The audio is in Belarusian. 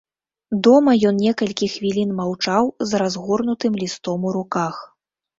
Дома ён некалькі хвілін маўчаў з разгорнутым лістом у руках.